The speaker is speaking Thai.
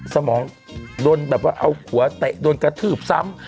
สมองโดนแบบว่าเอาหัวเตะโดนกระทืบซ้ำ